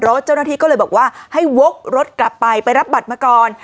เจ้าหน้าที่ก็เลยบอกว่าให้วกรถกลับไปไปรับบัตรมาก่อน